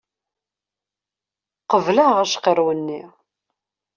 Qebleɣ acqiṛew-nni!